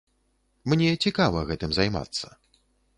Мне цікава гэтым займацца.